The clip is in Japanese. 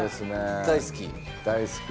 大好き？